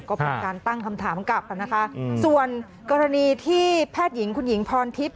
ก็เป็นการตั้งคำถามกลับนะคะส่วนกรณีที่แพทย์หญิงคุณหญิงพรทิพย